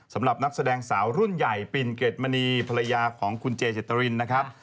สำหรับนักแสดงสาวรุ่นใหญ่ปิ่นเกรดมณีภรรยาของคุณเจเจตรินนะครับ